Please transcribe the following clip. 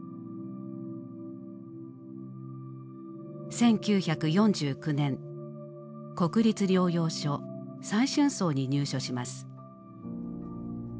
１９４９年国立療養所「再春荘」に入所します。